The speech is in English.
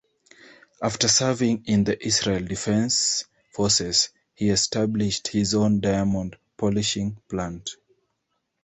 After serving in the Israel Defense Forces, he established his own diamond polishing plant.